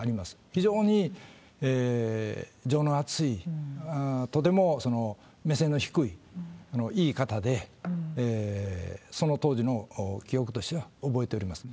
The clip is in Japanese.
非常に情のあつい、とても目線の低いいい方で、その当時の記憶としては覚えております。